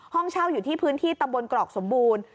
ห้องเช่าอยู่ที่พื้นที่ตำบลกรอกสมบูรณ์